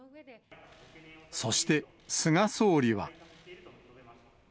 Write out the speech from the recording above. そして菅総理は。